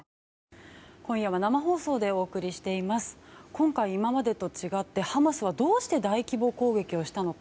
今回、今までと違ってハマスはどうして大規模攻撃をしたのか。